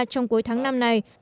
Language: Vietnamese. trong cuối tháng năm này